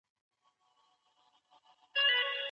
زده کوونکي د انلاين کورس له لارې درسونه بشپړ کړي دي.